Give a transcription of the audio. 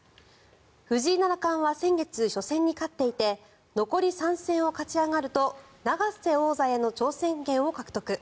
藤井七冠は先月初戦に勝っていて残り３戦を勝ち上がると永瀬王座への挑戦権を獲得。